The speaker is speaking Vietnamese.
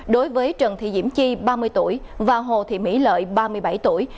đối với trần thị diễm chi ba mươi tuổi và hồ thị mỹ lợi ba mươi bảy tuổi